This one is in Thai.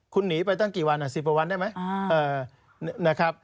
คุณหนีไปตั้งกี่วัน๑๐ประวันได้ไหม